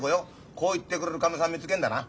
こう言ってくれるかみさん見つけんだな。